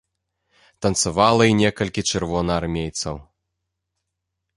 Танцавала і некалькі чырвонаармейцаў.